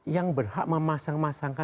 yang berhak memasang masangkan